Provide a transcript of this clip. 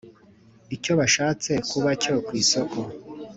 icyo bashatse kubacyo kwisoko.